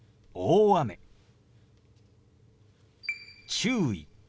「注意」。